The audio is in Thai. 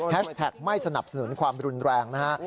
แท็กไม่สนับสนุนความรุนแรงนะฮะ